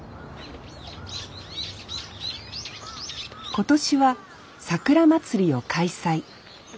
今年はさくらまつりを開催。